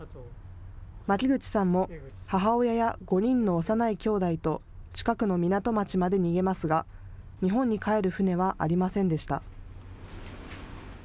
巻口さんも母親や５人の幼いきょうだいと近くの港町まで逃げますが日本に帰る船はありませんでした。